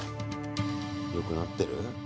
よくなってる？